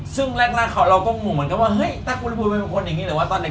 ซึ่งแรกเราก็งงเหมือนกันว่าเฮ้ยถ้าคุณภูมิเป็นคนอย่างนี้หรือว่าตอนเล็ก